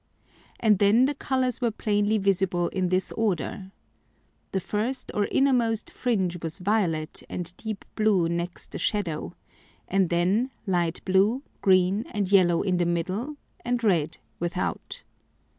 And then the Colours were plainly visible in this Order: The first or innermost Fringe was violet and deep blue next the Shadow, and then light blue, green, and yellow in the middle, and red without.